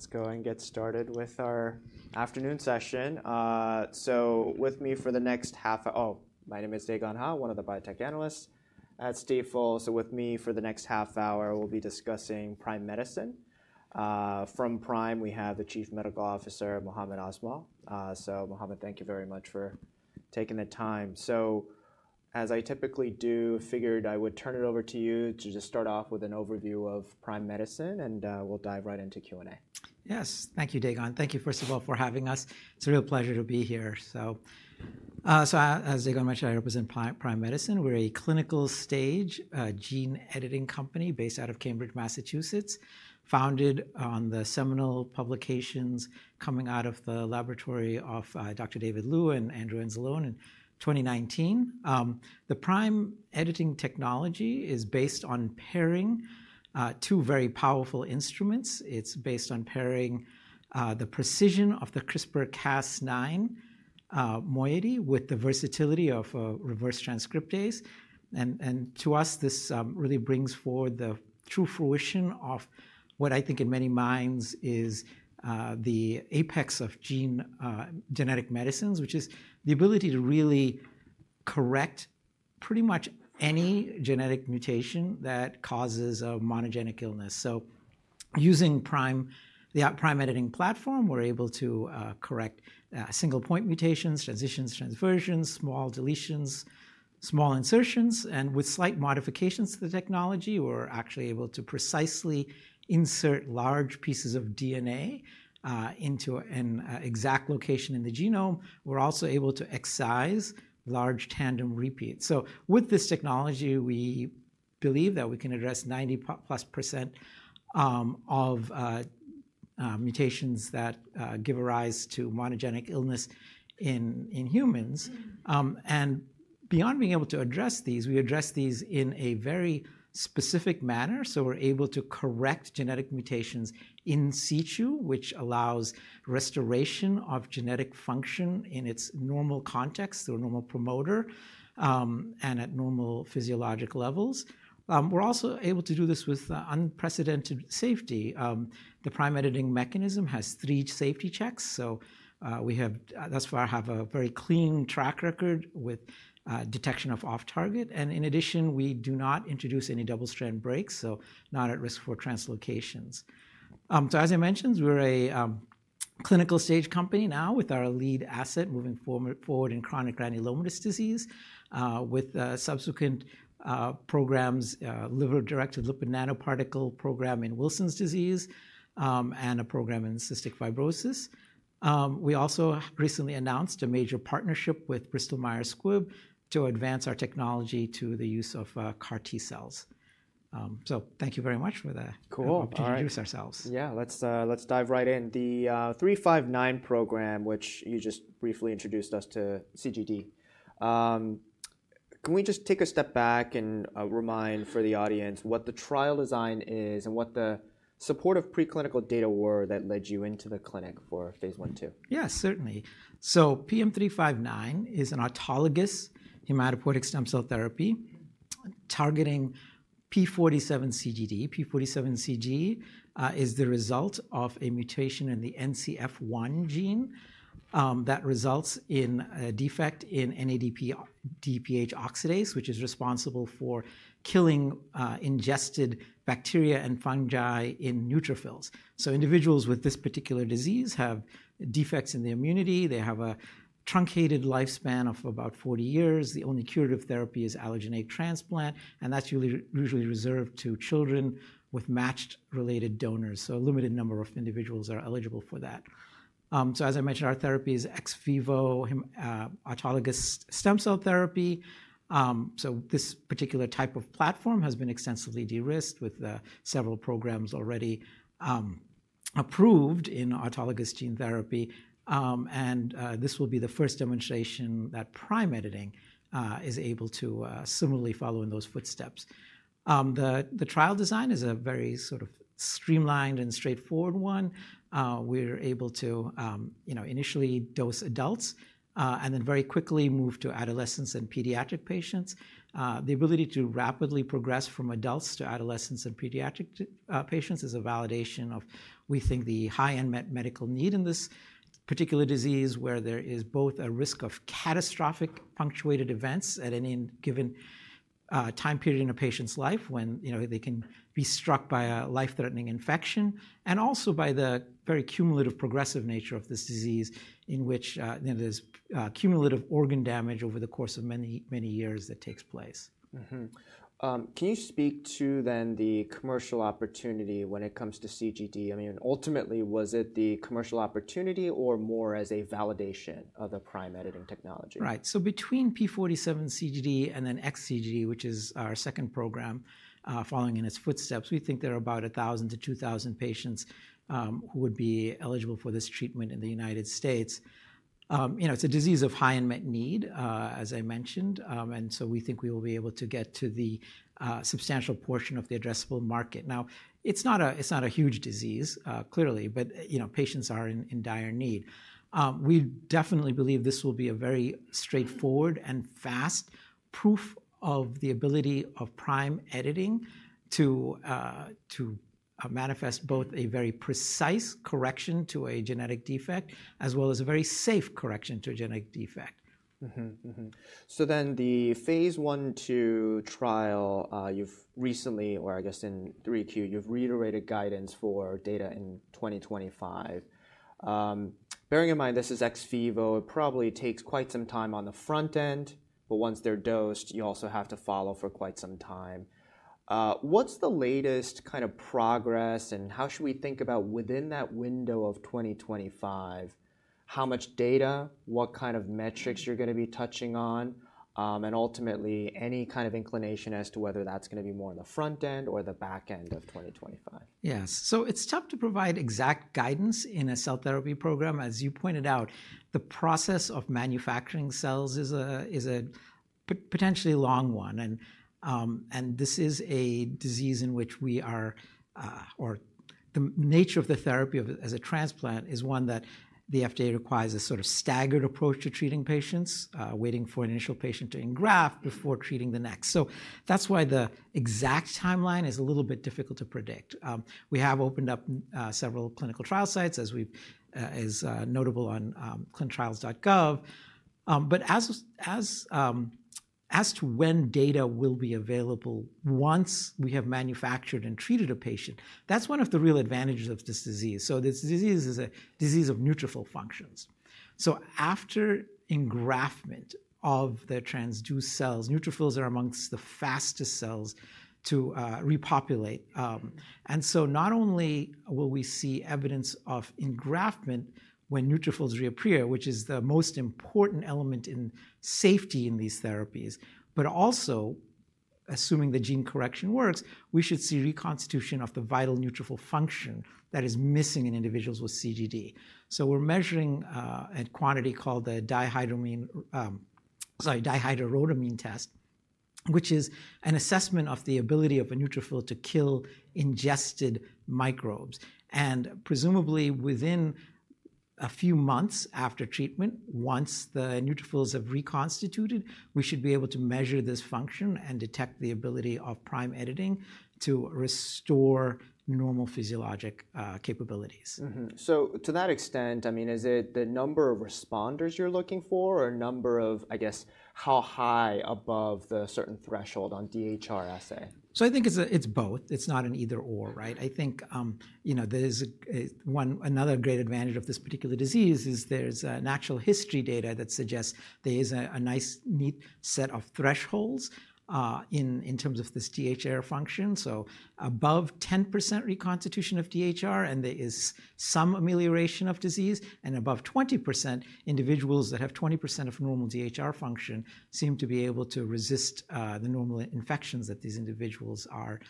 Let's go and get started with our afternoon session. My name is Dae Gon Ha, one of the biotech analysts at Stifel. So with me for the next half hour, we'll be discussing Prime Medicine. From Prime, we have the Chief Medical Officer, Mohammed Asmal. So, Mohammed, thank you very much for taking the time. So, as I typically do, I figured I would turn it over to you to just start off with an overview of Prime Medicine, and we'll dive right into Q&A. Yes. Thank you, Dae Gon. Thank you, first of all, for having us. It's a real pleasure to be here. As Dae Gon mentioned, I represent Prime Medicine. We're a clinical stage gene editing company based out of Cambridge, Massachusetts, founded on the seminal publications coming out of the laboratory of Dr. David Liu and Andrew Anzalone in 2019. The Prime Editing technology is based on pairing two very powerful instruments. It's based on pairing the precision of the CRISPR-Cas9 moiety with the versatility of reverse transcriptase. And to us, this really brings forward the true fruition of what I think in many minds is the apex of gene genetic medicines, which is the ability to really correct pretty much any genetic mutation that causes a monogenic illness. So, using Prime, the Prime editing platform, we're able to correct single point mutations, transitions, transversions, small deletions, small insertions, and with slight modifications to the technology, we're actually able to precisely insert large pieces of DNA into an exact location in the genome. We're also able to excise large tandem repeats. So, with this technology, we believe that we can address 90-plus% of mutations that give rise to monogenic illness in humans, and beyond being able to address these, we address these in a very specific manner. So, we're able to correct genetic mutations in situ, which allows restoration of genetic function in its normal context or normal promoter, and at normal physiologic levels. We're also able to do this with unprecedented safety. The Prime editing mechanism has three safety checks. So, we thus far have a very clean track record with detection of off-target. And in addition, we do not introduce any double-strand breaks, so not at risk for translocations, so as I mentioned, we're a clinical stage company now with our lead asset moving forward in chronic granulomatous disease, with subsequent programs, liver-directed lipid nanoparticle program in Wilson's disease, and a program in cystic fibrosis. We also recently announced a major partnership with Bristol Myers Squibb to advance our technology to the use of CAR T cells, so thank you very much for the opportunity to introduce ourselves. Yeah, let's dive right in. The PM359 program, which you just briefly introduced us to CGD, can we just take a step back and remind for the audience what the trial design is and what the supportive preclinical data were that led you into the clinic for phase 1/2? Yeah, certainly. So, PM359 is an autologous hematopoietic stem cell therapy targeting p47 CGD. p47 CGD is the result of a mutation in the NCF1 gene that results in a defect in NADPH oxidase, which is responsible for killing ingested bacteria and fungi in neutrophils. So, individuals with this particular disease have defects in the immunity. They have a truncated lifespan of about 40 years. The only curative therapy is allogeneic transplant, and that's usually reserved to children with matched related donors. So, a limited number of individuals are eligible for that. So, as I mentioned, our therapy is ex vivo autologous stem cell therapy. So this particular type of platform has been extensively de-risked with several programs already approved in autologous gene therapy. And this will be the first demonstration that Prime editing is able to similarly follow in those footsteps. The trial design is a very sort of streamlined and straightforward one. We're able to, you know, initially dose adults, and then very quickly move to adolescents and pediatric patients. The ability to rapidly progress from adults to adolescents and pediatric patients is a validation of, we think, the high-end medical need in this particular disease where there is both a risk of catastrophic punctuated events at any given time period in a patient's life when, you know, they can be struck by a life-threatening infection and also by the very cumulative progressive nature of this disease in which, you know, there's cumulative organ damage over the course of many, many years that takes place. Mm-hmm. Can you speak to then the commercial opportunity when it comes to CGD? I mean, ultimately, was it the commercial opportunity or more as a validation of the Prime editing technology? Right. So, between p47 CGD and then X-CGD, which is our second program, following in its footsteps, we think there are about 1,000 to 2,000 patients who would be eligible for this treatment in the United States. You know, it's a disease of high unmet need, as I mentioned, and so we think we will be able to get to the substantial portion of the addressable market. Now, it's not a huge disease, clearly, but you know, patients are in dire need. We definitely believe this will be a very straightforward and fast proof of the ability of Prime editing to manifest both a very precise correction to a genetic defect as well as a very safe correction to a genetic defect. Mm-hmm. Mm-hmm. So then the phase 1, 2 trial, you've recently, or I guess in 3Q, you've reiterated guidance for data in 2025. Bearing in mind this is ex vivo, it probably takes quite some time on the front end, but once they're dosed, you also have to follow for quite some time. What's the latest kind of progress and how should we think about within that window of 2025, how much data, what kind of metrics you're gonna be touching on, and ultimately any kind of inclination as to whether that's gonna be more on the front end or the back end of 2025? Yes. So, it's tough to provide exact guidance in a cell therapy program. As you pointed out, the process of manufacturing cells is a potentially long one. And this is a disease in which we are, or the nature of the therapy as a transplant is one that the FDA requires a sort of staggered approach to treating patients, waiting for an initial patient to engraft before treating the next. So, that's why the exact timeline is a little bit difficult to predict. We have opened up several clinical trial sites as we've noted on ClinicalTrials.gov. But as to when data will be available once we have manufactured and treated a patient, that's one of the real advantages of this disease. So, this disease is a disease of neutrophil functions. After engraftment of the transduced cells, neutrophils are among the fastest cells to repopulate, and so not only will we see evidence of engraftment when neutrophils reappear, which is the most important element in safety in these therapies, but also assuming the gene correction works, we should see reconstitution of the vital neutrophil function that is missing in individuals with CGD. We're measuring a quantity called the dihydramine, sorry, dihydrorhodamine test, which is an assessment of the ability of a neutrophil to kill ingested microbes. Presumably within a few months after treatment, once the neutrophils have reconstituted, we should be able to measure this function and detect the ability of Prime editing to restore normal physiologic capabilities. Mm-hmm. So, to that extent, I mean, is it the number of responders you're looking for or number of, I guess, how high above the certain threshold on DHR assay? So, I think it's both. It's not an either/or, right? I think, you know, there's another great advantage of this particular disease is there's natural history data that suggests there is a nice neat set of thresholds in terms of this DHR function. So, above 10% reconstitution of DHR and there is some amelioration of disease, and above 20%, individuals that have 20% of normal DHR function seem to be able to resist the normal infections that these individuals are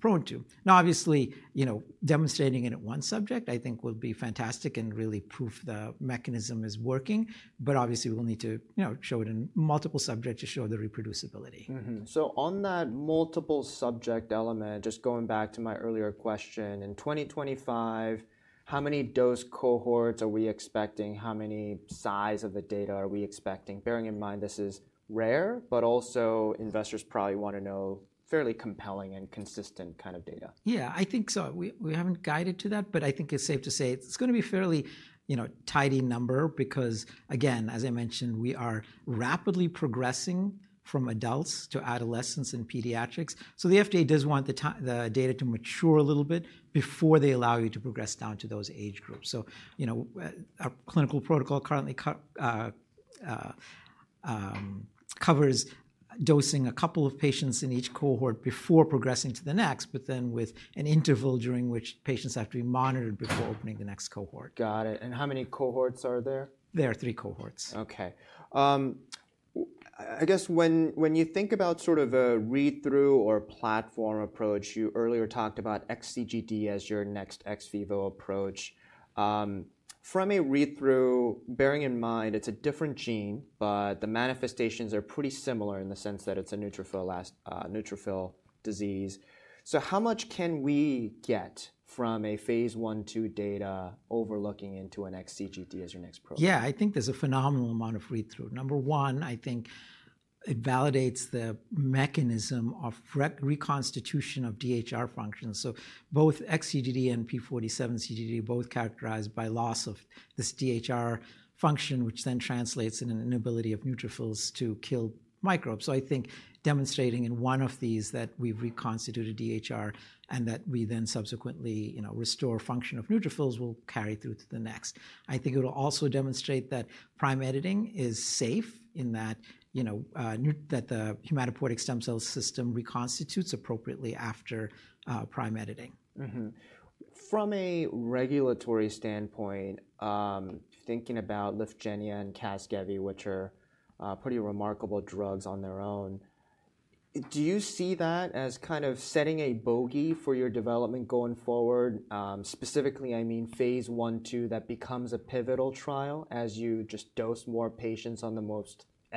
prone to. Now, obviously, you know, demonstrating it at one subject I think would be fantastic and really prove the mechanism is working, but obviously we'll need to, you know, show it in multiple subjects to show the reproducibility. Mm-hmm. So, on that multiple subject element, just going back to my earlier question, in 2025, how many dose cohorts are we expecting? How many size of the data are we expecting? Bearing in mind this is rare, but also investors probably wanna know fairly compelling and consistent kind of data. Yeah, I think so. We haven't guided to that, but I think it's safe to say it's gonna be fairly, you know, tidy number because, again, as I mentioned, we are rapidly progressing from adults to adolescents in pediatrics. So, the FDA does want the time, the data to mature a little bit before they allow you to progress down to those age groups. So, you know, our clinical protocol currently covers dosing a couple of patients in each cohort before progressing to the next, but then with an interval during which patients have to be monitored before opening the next cohort. Got it, and how many cohorts are there? There are three cohorts. Okay. I guess when you think about sort of a read-through or platform approach, you earlier talked about X-CGD as your next ex vivo approach from a read-through, bearing in mind it's a different gene, but the manifestations are pretty similar in the sense that it's a neutrophil defect, neutrophil disease. So, how much can we get from a phase 1/2 data overlooking into an X-CGD as your next program? Yeah, I think there's a phenomenal amount of read-through. Number one, I think it validates the mechanism of reconstitution of DHR function. So, both X-CGD and p47 CGD are both characterized by loss of this DHR function, which then translates in an inability of neutrophils to kill microbes. So, I think demonstrating in one of these that we've reconstituted DHR and that we then subsequently, you know, restore function of neutrophils will carry through to the next. I think it'll also demonstrate that Prime editing is safe in that, you know, that the hematopoietic stem cell system reconstitutes appropriately after Prime editing. Mm-hmm. From a regulatory standpoint, thinking about Lyfgenia and Casgevy, which are pretty remarkable drugs on their own, do you see that as kind of setting a bogey for your development going forward? Specifically, I mean, phase 1, 2 that becomes a pivotal trial as you just dose more patients on the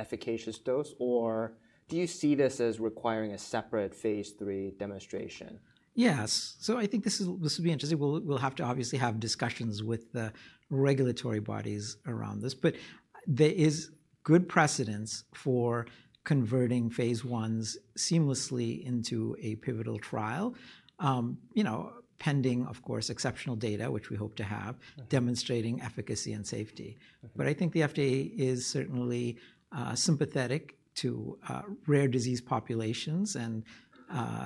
most efficacious dose, or do you see this as requiring a separate phase 3 demonstration? Yes, so I think this would be interesting. We'll have to obviously have discussions with the regulatory bodies around this, but there is good precedent for converting phase 1s seamlessly into a pivotal trial, you know, pending, of course, exceptional data, which we hope to have demonstrating efficacy and safety. But I think the FDA is certainly sympathetic to rare disease populations and,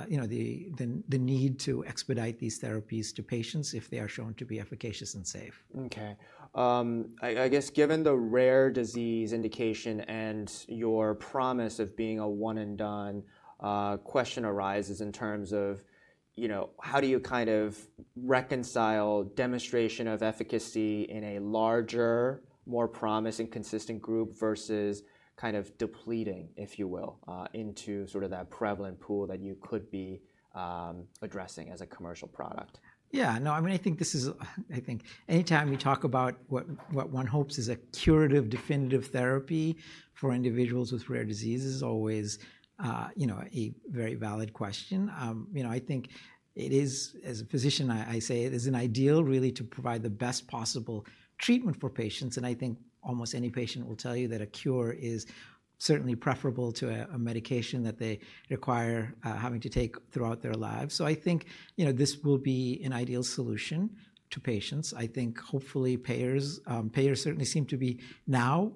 you know, the need to expedite these therapies to patients if they are shown to be efficacious and safe. Okay. I guess given the rare disease indication and your promise of being a one-and-done, question arises in terms of, you know, how do you kind of reconcile demonstration of efficacy in a larger, more promising consistent group versus kind of depleting, if you will, into sort of that prevalent pool that you could be, addressing as a commercial product? Yeah. No, I mean, I think anytime you talk about what one hopes is a curative definitive therapy for individuals with rare diseases is always, you know, a very valid question. You know, I think it is, as a physician, I say it is an ideal really to provide the best possible treatment for patients. And I think almost any patient will tell you that a cure is certainly preferable to a medication that they require, having to take throughout their lives. So, I think, you know, this will be an ideal solution to patients. I think hopefully payers certainly seem to be now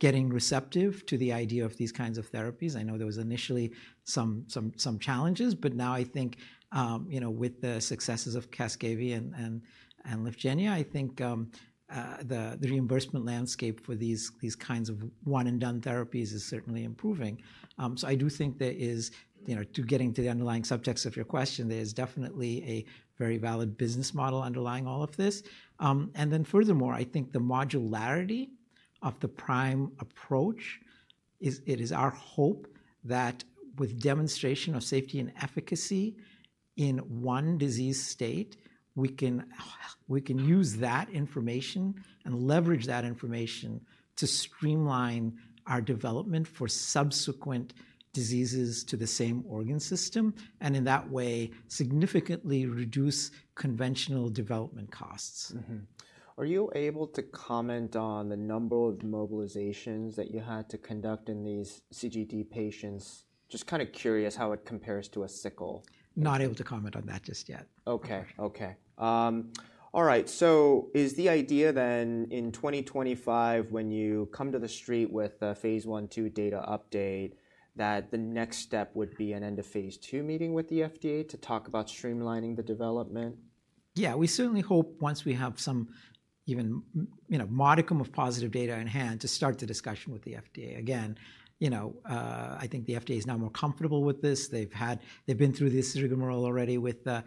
getting receptive to the idea of these kinds of therapies. I know there was initially some challenges, but now I think, you know, with the successes of Casgevy and Lyfgenia, I think the reimbursement landscape for these kinds of one-and-done therapies is certainly improving. So I do think there is, you know, to getting to the underlying subtext of your question, there is definitely a very valid business model underlying all of this. And then furthermore, I think the modularity of the Prime approach is, it is our hope that with demonstration of safety and efficacy in one disease state, we can use that information and leverage that information to streamline our development for subsequent diseases to the same organ system and in that way significantly reduce conventional development costs. Mm-hmm. Are you able to comment on the number of mobilizations that you had to conduct in these CGD patients? Just kind of curious how it compares to a sickle. Not able to comment on that just yet. Okay. Okay. All right. So, is the idea then in 2025 when you come to the street with a phase 1, 2 data update that the next step would be an end-of-phase 2 meeting with the FDA to talk about streamlining the development? Yeah, we certainly hope once we have some even, you know, modicum of positive data in hand to start the discussion with the FDA. Again, you know, I think the FDA is now more comfortable with this. They've been through the surgical world already with the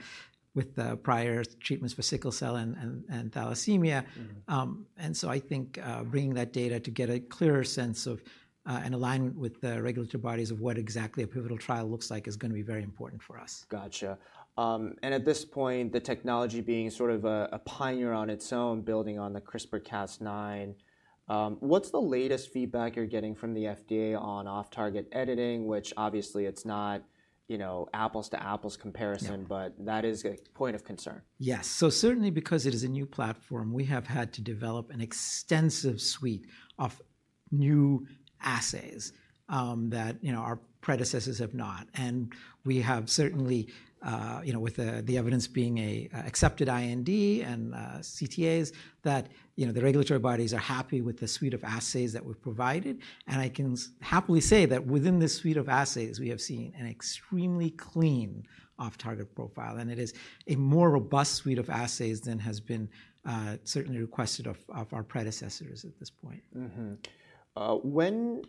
prior treatments for sickle cell and thalassemia, and so I think, bringing that data to get a clearer sense of an alignment with the regulatory bodies of what exactly a pivotal trial looks like is gonna be very important for us. Gotcha. At this point, the technology being sort of a pioneer on its own, building on the CRISPR-Cas9, what's the latest feedback you're getting from the FDA on off-target editing, which obviously it's not, you know, apples to apples comparison, but that is a point of concern. Yes. So, certainly because it is a new platform, we have had to develop an extensive suite of new assays that, you know, our predecessors have not. And we have certainly, you know, with the evidence being an accepted IND and CTAs that, you know, the regulatory bodies are happy with the suite of assays that we've provided. And I can happily say that within this suite of assays, we have seen an extremely clean off-target profile. And it is a more robust suite of assays than has been certainly requested of our predecessors at this point. Mm-hmm. When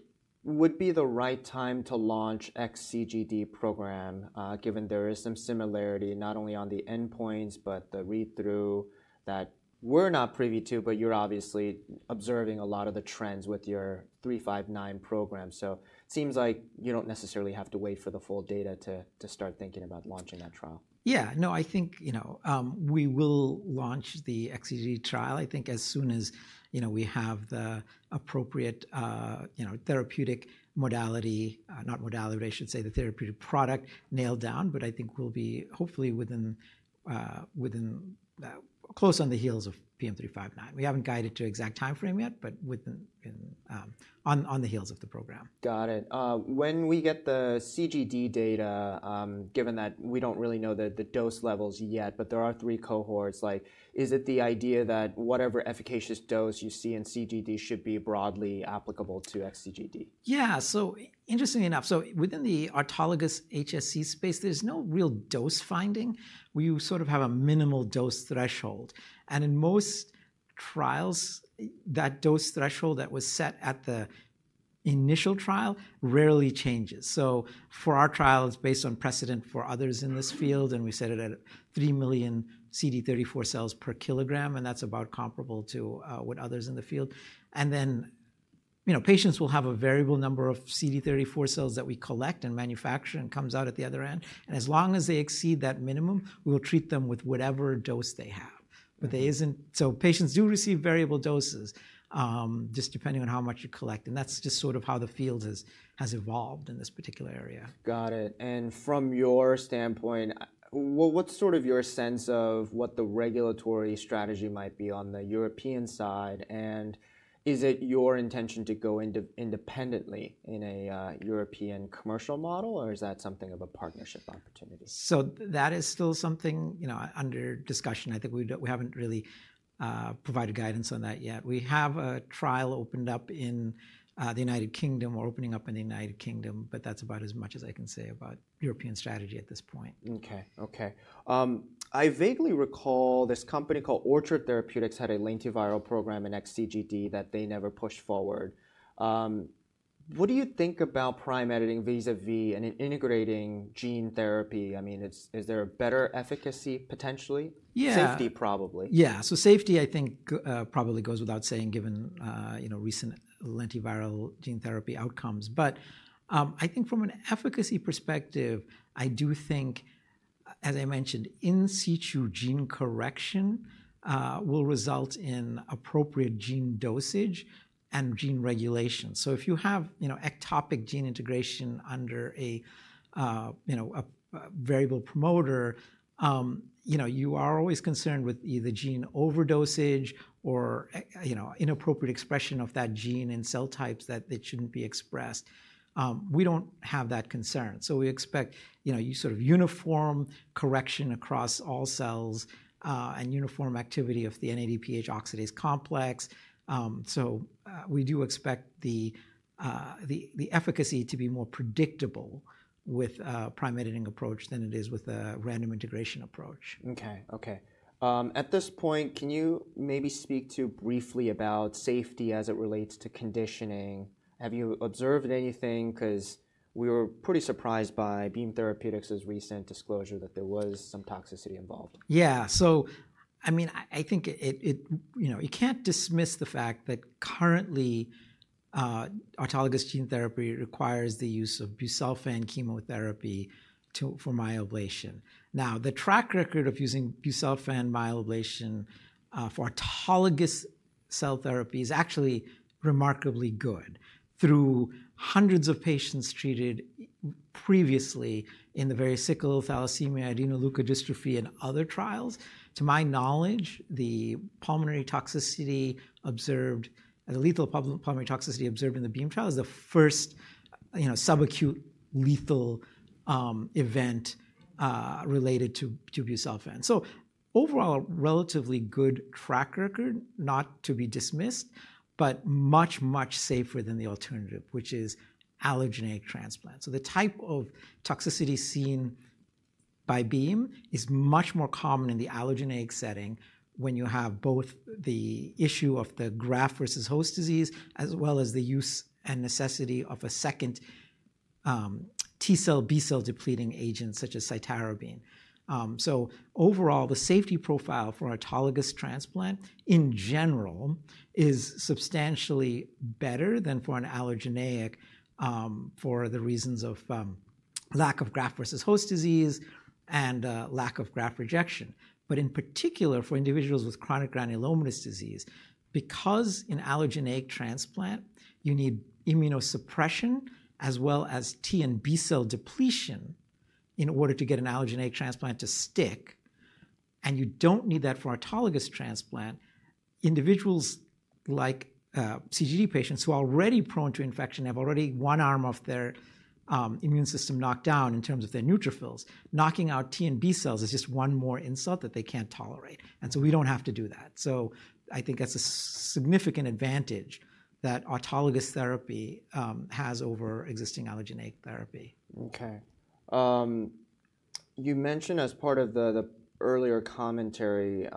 would be the right time to launch X-CGD program, given there is some similarity not only on the endpoints, but the read-through that we're not privy to, but you're obviously observing a lot of the trends with your PM359 program. So, it seems like you don't necessarily have to wait for the full data to start thinking about launching that trial. Yeah. No, I think, you know, we will launch the X-CGD trial, I think as soon as, you know, we have the appropriate, you know, therapeutic modality, not modality, but I should say the therapeutic product nailed down, but I think we'll be hopefully within close on the heels of PM359. We haven't guided to exact timeframe yet, but within on the heels of the program. Got it. When we get the CGD data, given that we don't really know the dose levels yet, but there are three cohorts, like is it the idea that whatever efficacious dose you see in CGD should be broadly applicable to X-CGD? Yeah. So, interestingly enough, so within the autologous HSC space, there's no real dose finding. We sort of have a minimal dose threshold. And in most trials, that dose threshold that was set at the initial trial rarely changes. So, for our trial, it's based on precedent for others in this field, and we set it at 3 million CD34 cells per kilogram, and that's about comparable to what others in the field. And then, you know, patients will have a variable number of CD34 cells that we collect and manufacture and comes out at the other end. And as long as they exceed that minimum, we'll treat them with whatever dose they have. But there isn't, so patients do receive variable doses, just depending on how much you collect. And that's just sort of how the field has, has evolved in this particular area. Got it. And from your standpoint, well, what's sort of your sense of what the regulatory strategy might be on the European side? And is it your intention to go into independently in a European commercial model, or is that something of a partnership opportunity? So, that is still something, you know, under discussion. I think we don't, we haven't really provided guidance on that yet. We have a trial opened up in the United Kingdom. We're opening up in the United Kingdom, but that's about as much as I can say about European strategy at this point. Okay. Okay. I vaguely recall this company called Orchard Therapeutics had a lentiviral program in X-CGD that they never pushed forward. What do you think about Prime editing vis-à-vis an integrating gene therapy? I mean, is there a better efficacy potentially? Yeah. Safety probably. Yeah. So, safety I think probably goes without saying given, you know, recent lentiviral gene therapy outcomes. But, I think from an efficacy perspective, I do think, as I mentioned, in situ gene correction will result in appropriate gene dosage and gene regulation. So, if you have, you know, ectopic gene integration under a, you know, a variable promoter, you know, you are always concerned with either gene overdosage or, you know, inappropriate expression of that gene in cell types that shouldn't be expressed. We don't have that concern. So, we expect, you know, you sort of uniform correction across all cells, and uniform activity of the NADPH oxidase complex. So, we do expect the efficacy to be more predictable with a Prime editing approach than it is with a random integration approach. Okay. Okay. At this point, can you maybe speak to briefly about safety as it relates to conditioning? Have you observed anything? 'Cause we were pretty surprised by Beam Therapeutics' recent disclosure that there was some toxicity involved. Yeah. So, I mean, I think it, you know, you can't dismiss the fact that currently, autologous gene therapy requires the use of busulfan chemotherapy to for myeloablation. Now, the track record of using busulfan myeloablation for autologous cell therapy is actually remarkably good through hundreds of patients treated previously in the various sickle, thalassemia, adenoleukodystrophy, and other trials. To my knowledge, the pulmonary toxicity observed, the lethal pulmonary toxicity observed in the Beam trial is the first, you know, subacute lethal event related to busulfan. So, overall, a relatively good track record, not to be dismissed, but much, much safer than the alternative, which is allogeneic transplant. So, the type of toxicity seen by Beam is much more common in the allogeneic setting when you have both the issue of the graft versus host disease, as well as the use and necessity of a second, T cell, B cell depleting agent such as cytarabine. So overall, the safety profile for autologous transplant in general is substantially better than for an allogeneic, for the reasons of, lack of graft versus host disease and, lack of graft rejection. But in particular, for individuals with chronic granulomatous disease, because in allogeneic transplant, you need immunosuppression as well as T and B cell depletion in order to get an allogeneic transplant to stick. And you don't need that for autologous transplant. Individuals like, CGD patients who are already prone to infection have already one arm of their, immune system knocked down in terms of their neutrophils. Knocking out T and B cells is just one more insult that they can't tolerate, and so we don't have to do that, so I think that's a significant advantage that autologous therapy has over existing allogeneic therapy. Okay. You mentioned as part of the earlier commentary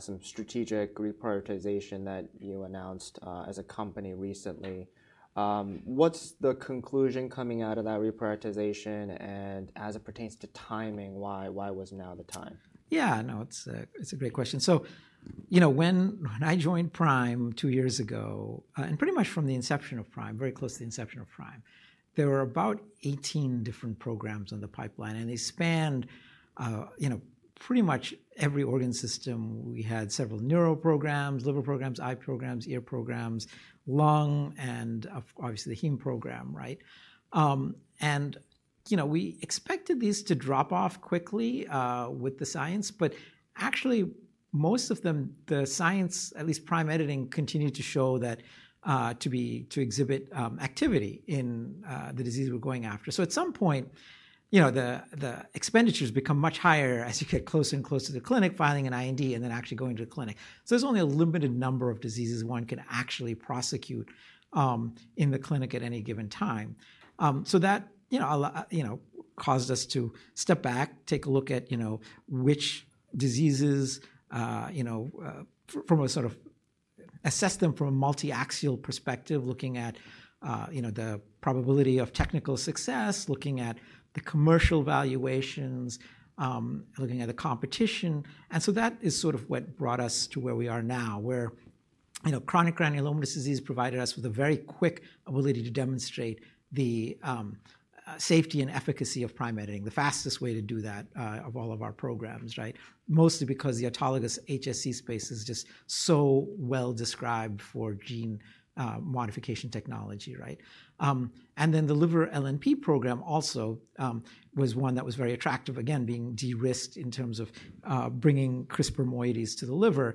some strategic reprioritization that you announced as a company recently. What's the conclusion coming out of that reprioritization and as it pertains to timing? Why was now the time? Yeah. No, it's a great question. So, you know, when I joined Prime two years ago, and pretty much from the inception of Prime, very close to the inception of Prime, there were about 18 different programs on the pipeline. And they spanned, you know, pretty much every organ system. We had several neuro programs, liver programs, eye programs, ear programs, lung, and obviously the heme program, right? And, you know, we expected these to drop off quickly with the science, but actually most of them, the science, at least Prime editing, continued to show that, to be, to exhibit activity in the disease we're going after. So, at some point, you know, the expenditures become much higher as you get closer and closer to the clinic, filing an IND, and then actually going to the clinic. So, there's only a limited number of diseases one can actually prosecute in the clinic at any given time. So that, you know, a lot, you know, caused us to step back, take a look at, you know, which diseases, you know, from a sort of assess them from a multiaxial perspective, looking at, you know, the probability of technical success, looking at the commercial valuations, looking at the competition. And so, that is sort of what brought us to where we are now, where, you know, chronic granulomatous disease provided us with a very quick ability to demonstrate the safety and efficacy of Prime editing, the fastest way to do that, of all of our programs, right? Mostly because the autologous HSC space is just so well described for gene modification technology, right? Then the liver LNP program also was one that was very attractive, again, being de-risked in terms of bringing CRISPR moieties to the liver,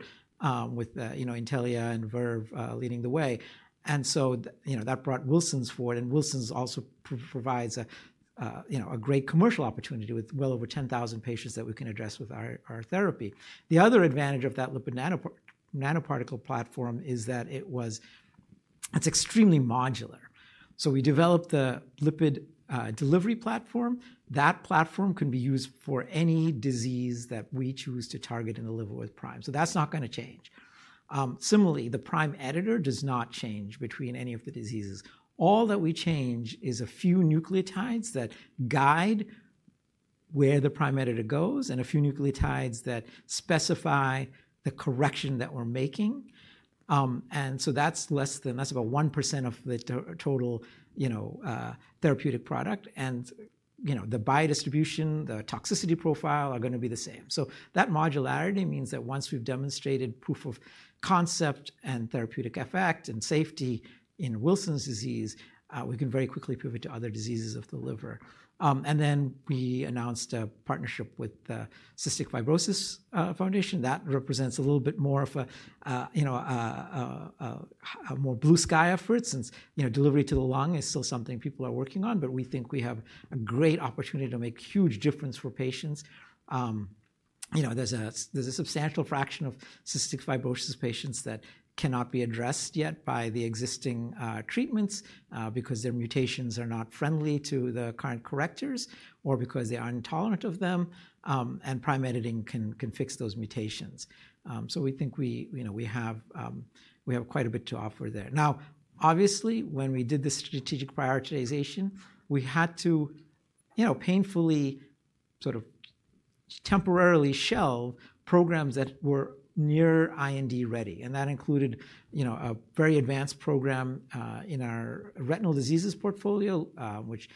with you know, Intellia and Verve leading the way. So you know, that brought Wilson's forward. Wilson's also provides a you know, a great commercial opportunity with well over 10,000 patients that we can address with our therapy. The other advantage of that lipid nanoparticle platform is that it is extremely modular. So we developed the lipid delivery platform. That platform can be used for any disease that we choose to target in the liver with Prime. So that's not gonna change. Similarly, the Prime editor does not change between any of the diseases. All that we change is a few nucleotides that guide where the Prime editor goes and a few nucleotides that specify the correction that we're making. And so, that's less than, that's about 1% of the total, you know, therapeutic product. And, you know, the biodistribution, the toxicity profile are gonna be the same. So, that modularity means that once we've demonstrated proof of concept and therapeutic effect and safety in Wilson's disease, we can very quickly pivot to other diseases of the liver. And then we announced a partnership with the Cystic Fibrosis Foundation. That represents a little bit more of a, you know, a more blue sky effort since, you know, delivery to the lung is still something people are working on, but we think we have a great opportunity to make a huge difference for patients. You know, there's a substantial fraction of cystic fibrosis patients that cannot be addressed yet by the existing treatments, because their mutations are not friendly to the current correctors or because they are intolerant of them. Prime editing can fix those mutations. We think, you know, we have quite a bit to offer there. Now, obviously, when we did the strategic prioritization, we had to, you know, painfully sort of temporarily shelve programs that were near IND ready. That included, you know, a very advanced program in our retinal diseases portfolio, which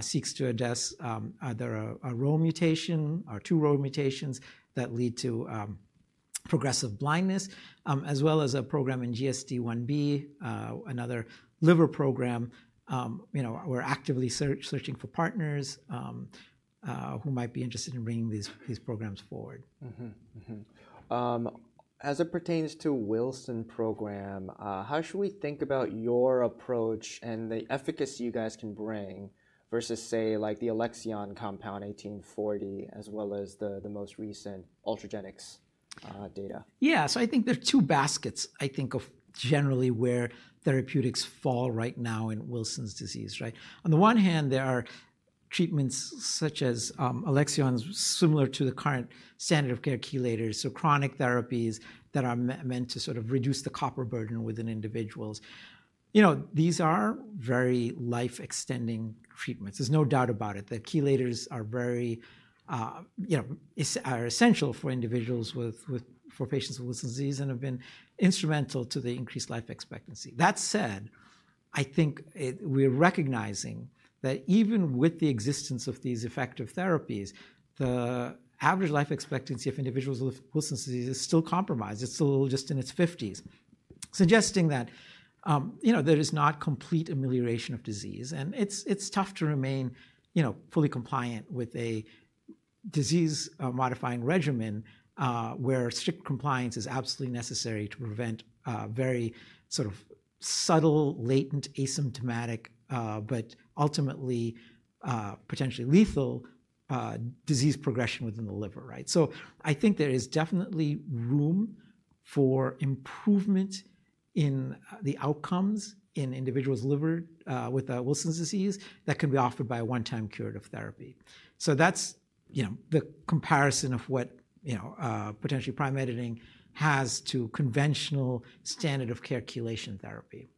seeks to address either a RHO mutation or two RHO mutations that lead to progressive blindness, as well as a program in GSD1b, another liver program. You know, we're actively searching for partners who might be interested in bringing these programs forward. Mm-hmm. Mm-hmm. As it pertains to Wilson's program, how should we think about your approach and the efficacy you guys can bring versus say, like the Alexion compound ALXN1840, as well as the most recent Ultragenyx data? Yeah. So, I think there are two baskets, I think, of generally where therapeutics fall right now in Wilson's disease, right? On the one hand, there are treatments such as Alexion's, similar to the current standard of care chelators. So, chronic therapies that are meant to sort of reduce the copper burden within individuals. You know, these are very life-extending treatments. There's no doubt about it. The chelators are very, you know, are essential for individuals with for patients with Wilson's disease and have been instrumental to the increased life expectancy. That said, I think we are recognizing that even with the existence of these effective therapies, the average life expectancy of individuals with Wilson's disease is still compromised. It's still just in its fifties, suggesting that, you know, there is not complete amelioration of disease. And it's tough to remain, you know, fully compliant with a disease-modifying regimen, where strict compliance is absolutely necessary to prevent very sort of subtle, latent, asymptomatic, but ultimately potentially lethal disease progression within the liver, right? So, I think there is definitely room for improvement in the outcomes in individuals' liver with Wilson's disease that can be offered by a one-time curative therapy. So, that's, you know, the comparison of what, you know, potentially Prime editing has to conventional standard of care chelation therapy.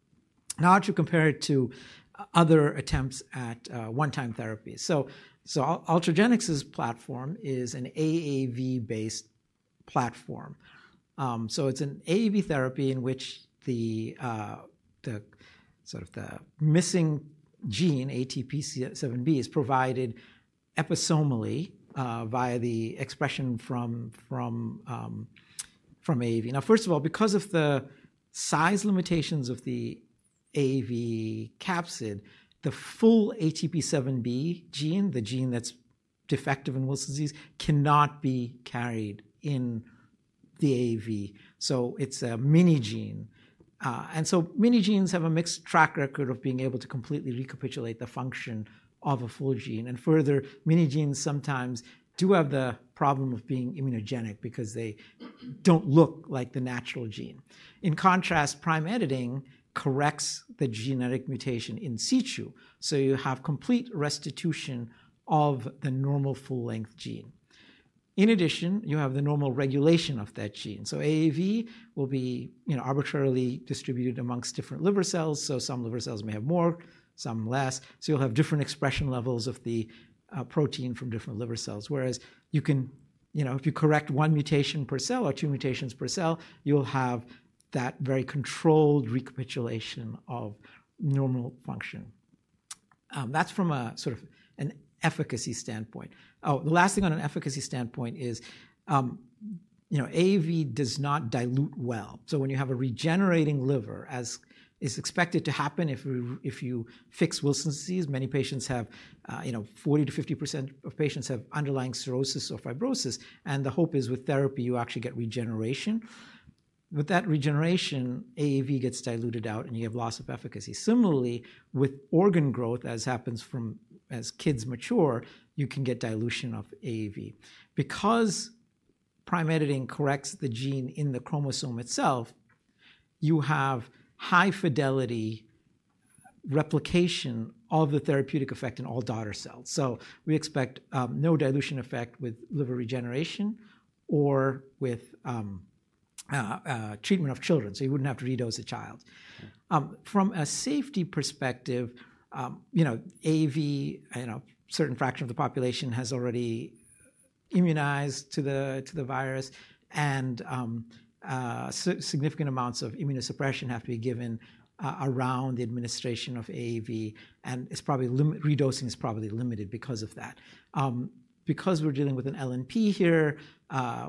Now, to compare it to other attempts at one-time therapies. So, Ultragenyx's platform is an AAV-based platform. So it's an AAV therapy in which the sort of the missing gene, ATP7B, is provided episomally, via the expression from AAV. Now, first of all, because of the size limitations of the AAV capsid, the full ATP7B gene, the gene that's defective in Wilson's disease, cannot be carried in the AAV. So, it's a mini gene. And so, mini genes have a mixed track record of being able to completely recapitulate the function of a full gene. And further, mini genes sometimes do have the problem of being immunogenic because they don't look like the natural gene. In contrast, Prime editing corrects the genetic mutation in situ. So, you have complete restitution of the normal full-length gene. In addition, you have the normal regulation of that gene. So, AAV will be, you know, arbitrarily distributed amongst different liver cells. So, some liver cells may have more, some less. So, you'll have different expression levels of the protein from different liver cells. Whereas you can, you know, if you correct one mutation per cell or two mutations per cell, you'll have that very controlled recapitulation of normal function. That's from a sort of an efficacy standpoint. Oh, the last thing on an efficacy standpoint is, you know, AAV does not dilute well. So, when you have a regenerating liver, as is expected to happen if you, if you fix Wilson's disease, many patients have, you know, 40%-50% of patients have underlying cirrhosis or fibrosis. And the hope is with therapy, you actually get regeneration. With that regeneration, AAV gets diluted out and you have loss of efficacy. Similarly, with organ growth, as happens from as kids mature, you can get dilution of AAV. Because Prime editing corrects the gene in the chromosome itself, you have high fidelity replication of the therapeutic effect in all daughter cells. So, we expect no dilution effect with liver regeneration or with treatment of children. So, you wouldn't have to redose a child. From a safety perspective, you know, AAV, you know, a certain fraction of the population has already immunized to the virus. And significant amounts of immunosuppression have to be given around the administration of AAV. And it's probably limited. Redosing is probably limited because of that. Because we're dealing with an LNP here,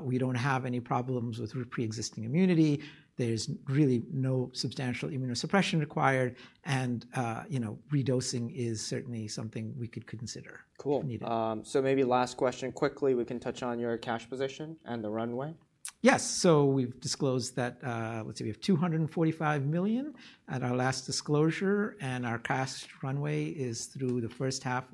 we don't have any problems with pre-existing immunity. There's really no substantial immunosuppression required. And you know, redosing is certainly something we could consider. Cool. So maybe last question quickly, we can touch on your cash position and the runway. Yes. So, we've disclosed that, let's see, we have $245 million at our last disclosure. And our cash runway is through the first half.